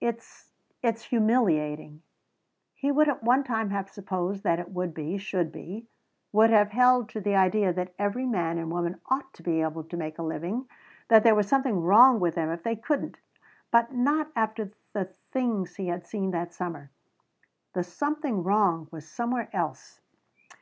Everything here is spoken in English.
"It's it's humiliating." He would at one time have supposed that it would be, should be; would have held to the idea that every man and woman ought be able to make a living, that there was something wrong with them if they couldn't. But not after the things he had seen that summer. The something wrong was somewhere else.